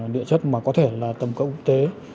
điện chất mà có thể là tầm cộng quốc tế